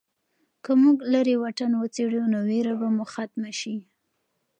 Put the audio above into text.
که موږ لیرې واټن وڅېړو نو ویره به مو ختمه شي.